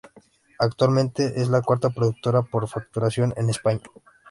Actualmente es la cuarta productora por facturación en España.